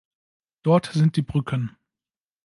Dort sind die Brücken.